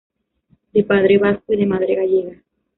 De padre vasco y de madre gallega.